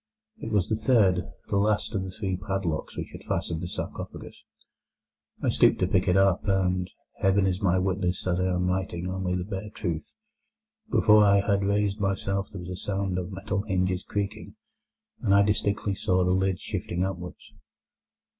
It was the third, the last of the three padlocks which had fastened the sarcophagus. I stooped to pick it up, and—Heaven is my witness that I am writing only the bare truth—before I had raised myself there was a sound of metal hinges creaking, and I distinctly saw the lid shifting upwards.